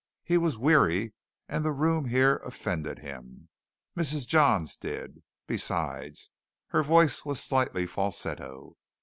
He was weary and the room here offended him. Mrs. Johns did. Besides, her voice was slightly falsetto.